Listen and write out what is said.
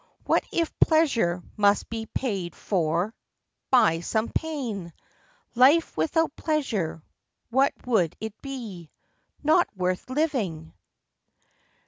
What if pleasure must be paid for By some pain ? Life without pleasure, What would it be ? Not worth living!